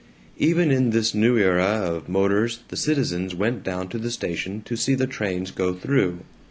Even in this new era of motors the citizens went down to the station to see the trains go through.